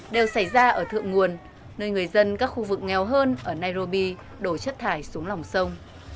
đều xảy ra ở thượng nguồn nơi người dân các khu vực nghèo hơn ở nairobi đổ chất thải xuống lòng sông